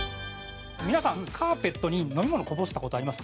皆さんカーペットに飲み物こぼした事ありますか？